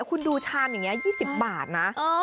คุณดูชามอย่างนี้๒๐บาทนะ